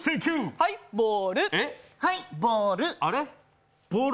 はい、ボール。